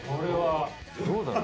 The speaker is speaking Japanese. どうだろう？